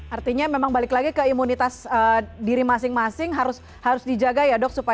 artinya memang balik lagi ke imunitas diri masing masing harus dijaga ya dok